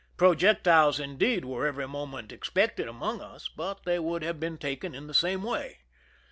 Projectiles, indeed, were every moment | expected among us, but they would have been taken '' in the same way.